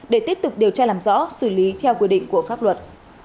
để tiếp tục điều tra làm rõ xử lý theo quy định của pháp luật